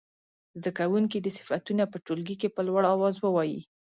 زده کوونکي دې صفتونه په ټولګي کې په لوړ اواز ووايي.